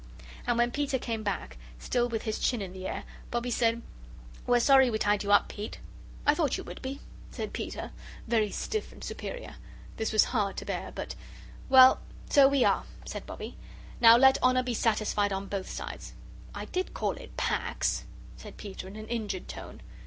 And when Peter came back, still with his chin in the air, Bobbie said: "We're sorry we tied you up, Pete." "I thought you would be," said Peter, very stiff and superior. This was hard to bear. But "Well, so we are," said Bobbie. "Now let honour be satisfied on both sides." "I did call it Pax," said Peter, in an injured tone.